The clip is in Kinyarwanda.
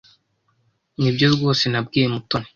Nibyo rwose nabwiye Mutoni.